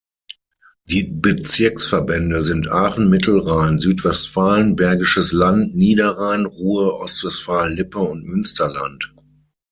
Die Bezirksverbände sind Aachen, Mittelrhein, Südwestfalen, Bergisches Land, Niederrhein, Ruhr, Ostwestfalen-Lippe und Münsterland.